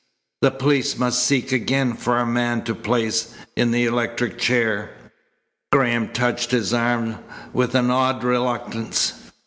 The police must seek again for a man to place in the electric chair." Graham touched his arm with an odd reluctance.